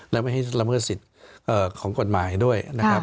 และไม่ให้ละเมิดสิทธิ์ของกฎหมายด้วยนะครับ